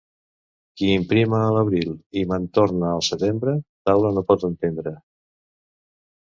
Qui emprima a l'abril i mantorna al setembre, taula no pot entendre.